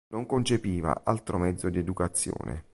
Non concepiva altro mezzo di educazione.